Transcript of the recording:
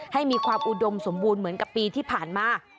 ให้มีความอุดมสมบูรณ์เหมือนกับปีที่ผ่านมา